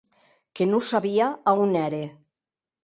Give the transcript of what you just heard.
Que non sabia a on ère.